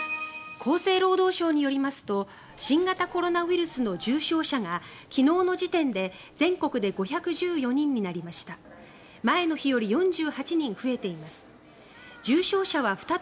厚生労働省によりますと新型コロナウイルスの重症者が昨日の時点で全国で５１４人になりました。